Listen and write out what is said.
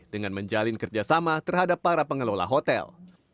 dengan menjalin kerjasama terhadap para pengelola hotel